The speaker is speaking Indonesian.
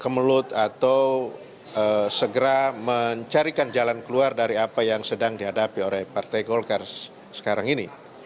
kemelut atau segera mencarikan jalan keluar dari apa yang sedang dihadapi oleh partai golkar sekarang ini